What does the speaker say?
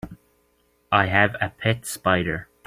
I have a pet spider.